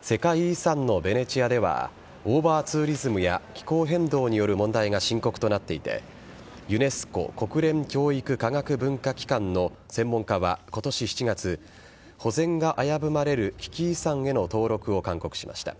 世界遺産のベネチアではオーバーツーリズムや気候変動による問題が深刻となっていてユネスコ＝国連教育科学文化機関の専門家は、今年７月保全が危ぶまれる危機遺産への登録を勧告しました。